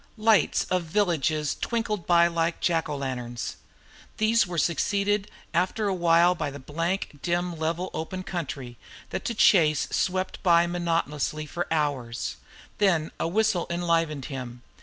Lights of villages twinkled by like Jack o' lanterns. These were succeeded after a while by the blank dim level of open country, that to Chase swept by monotonously for hours. Then a whistle enlivened him.